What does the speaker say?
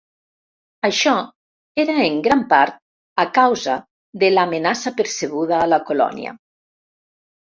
Això era en gran part a causa de l'amenaça percebuda a la colònia.